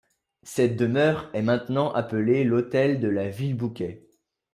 Cette demeure est maintenant appelée l'hôtel de la Villebouquais.